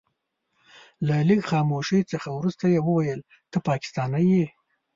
له لږ خاموشۍ څخه وروسته يې وويل ته پاکستانی يې.